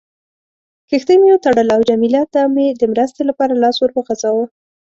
کښتۍ مې وتړله او جميله ته مې د مرستې لپاره لاس ور وغځاوه.